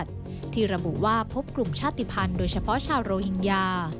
ที่ระบุว่าพบกลุ่มชาติภัณฑ์โดยเฉพาะชาวโรฮิงญา